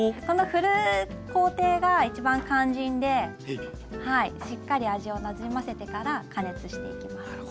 この振る工程が一番肝心でしっかり味をなじませてから加熱していきます。